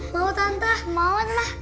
mau tante mauin lah